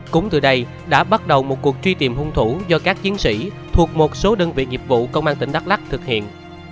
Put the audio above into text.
cũng từ đây đã bắt đầu một cuộc truy tìm hung thủ do các chiến sĩ thuộc một số đơn vị nghiệp vụ công an tỉnh đắk lắc thực hiện